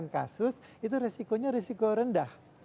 delapan puluh sembilan puluh kasus itu resikonya resiko rendah